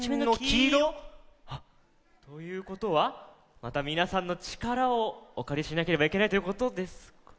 きいろ！ということはまたみなさんのちからをおかりしなければいけないということですか？